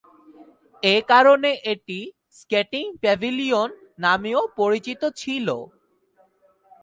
এ কারণে এটি "skating pavilion" নামেও পরিচিত ছিল।